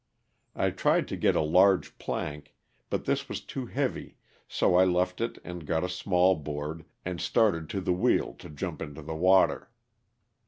I tried to get a large plank, but this was too heavy, so I left it and got a small board and started to the wheel to jump into the water.